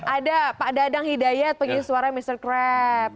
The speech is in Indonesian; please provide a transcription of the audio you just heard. ada pak dadang hidayat pengen suara mr kreb